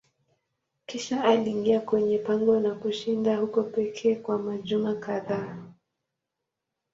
Kisha aliingia kwenye pango na kushinda huko pekee kwa majuma kadhaa.